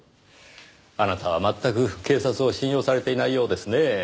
あなたは全く警察を信用されていないようですねぇ。